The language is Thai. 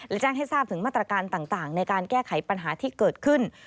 และแจ้งให้ทราบถึงมาตรการต่างในการแก้ไขปัญหาที่เกิดขึ้น